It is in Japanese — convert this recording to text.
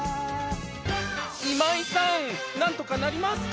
今井さんなんとかなりますか？